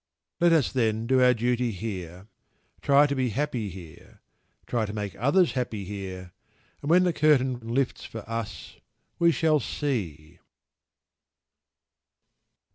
Let us, then, do our duty here, try to be happy here, try to make others happy here, and when the curtain lifts for us we shall see.